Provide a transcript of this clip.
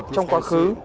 trong quá khứ